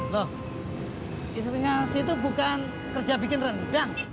loh istrinya si itu bukan kerja bikin rendang